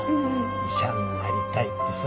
「医者になりたい」ってさ。